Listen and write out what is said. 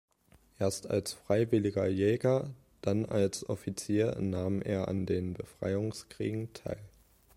Erst als freiwilliger Jäger, dann als Offizier nahm er an den Befreiungskriegen teil.